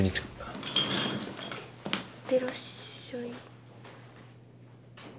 いってらっしゃい。